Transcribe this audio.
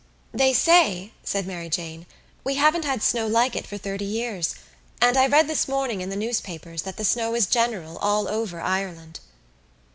"They say," said Mary Jane, "we haven't had snow like it for thirty years; and I read this morning in the newspapers that the snow is general all over Ireland."